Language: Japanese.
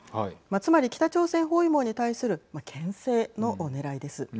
つまり、北朝鮮包囲網に対するけん制のねらいです。